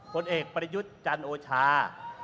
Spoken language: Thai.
ผลเอกประยุทธ์จันโอชา